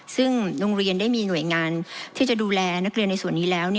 ซึ่งโรงเรียนได้มีหน่วยงานที่จะดูแลนักเรียนในส่วนนี้แล้ว